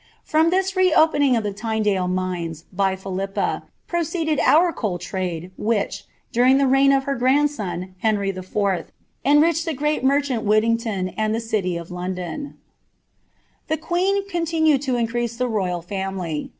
From this re opening of the Tynedale mines by Philippa ided our coal trade, which, during the reign of her grandson. ' IV., enriched the great merchant Whittington and the city of B queen continued to increase the royal family.